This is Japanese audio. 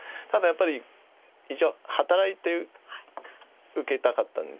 ただやっぱり一応働いて受けたかった。